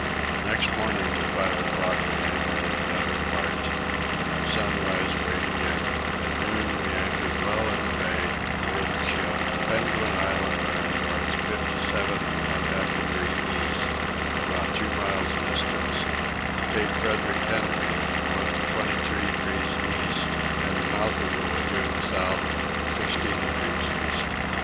The next morning at five o'clock we anchored in the outer part, and at sunrise weighed again: at noon we anchored well in the bay and moored the ship, Penguin Island bearing north 57 1/2 degrees east, about two miles distant; Cape Frederic Henry north 23 degrees east; and the mouth of the Lagoon south 16 degrees east.